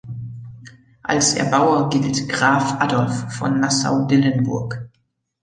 Als Erbauer gilt Graf Adolf von Nassau-Dillenburg.